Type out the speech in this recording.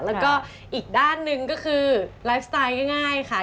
แล้วก็อีกด้านหนึ่งก็คือไลฟ์สไตล์ง่ายค่ะ